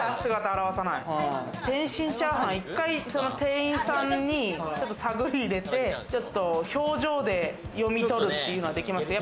天津チャーハン、１回店員さんに探り入れて、ちょっと表情で読み取るっていうのはできますか？